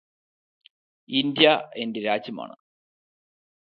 India എന്റെ രാജ്യമാണ്.